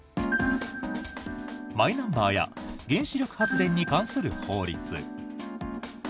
マイナンバーや原子力発電に関する法律。